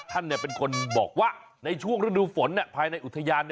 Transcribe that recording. ท่านเป็นคนบอกว่าในช่วงฤดูฝนภายในอุทยาน